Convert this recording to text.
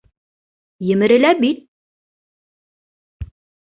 Емерелә бит...